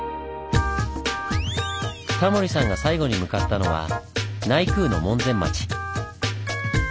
タモリさんが最後に向かったのは内宮の門前町。